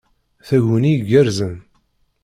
Taguni igerrzen!